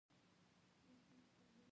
پاچا مو ورک لاری، ګمرا کړی.